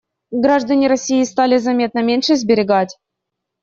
Граждане России стали заметно меньше сберегать.